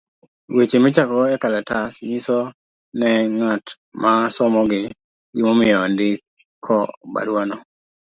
Weche michakogo ekalatas , nyiso ne ng'at ma somogi gimomiyo ondiko barua no.